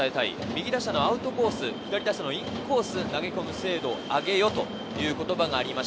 右打者のアウトコース、左打者のインコースに投げ込む精度を上げようという言葉です。